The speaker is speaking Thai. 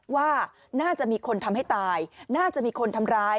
ว่าน่าจะมีคนทำให้ตายน่าจะมีคนทำร้าย